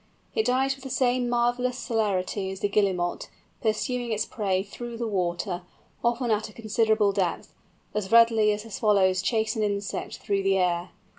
It dives with the same marvellous celerity as the Guillemot, pursuing its prey through the water, often at a considerable depth, as readily as the swallows chase an insect through the air.